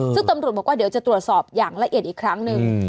ซึ่งตำรวจบอกว่าเดี๋ยวจะตรวจสอบอย่างละเอียดอีกครั้งหนึ่ง